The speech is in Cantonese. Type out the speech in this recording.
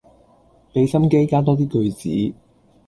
俾心機加多啲句子